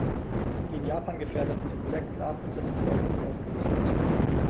Die in Japan gefährdeten Insektenarten sind im Folgenden aufgelistet.